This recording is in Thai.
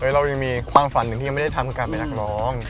เรายังมีความฝันหนึ่งที่ยังไม่ได้ทำคือการเป็นนักร้อง